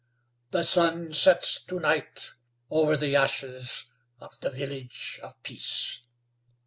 "The sun sets to night over the ashes of the Village of Peace."